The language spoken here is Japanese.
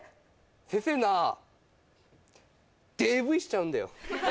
先生なデーブイしちゃうんだよ